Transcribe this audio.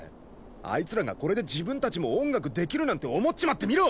あいつらがこれで自分たちも音楽できるなんて思っちまってみろ！